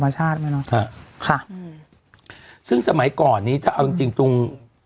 ค่ะซึ่งสมัยก่อนนี้จริงจริงตรง